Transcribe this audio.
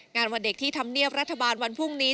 วันเด็กที่ทำเนียบรัฐบาลวันพรุ่งนี้